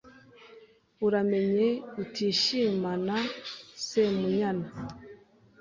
Uramenye utishimana Semunyana